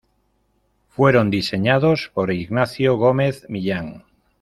Fueron diseñados por Ignacio Gómez Millán.